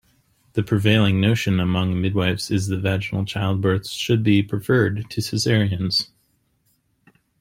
The prevailing notion among midwifes is that vaginal childbirths should be preferred to cesareans.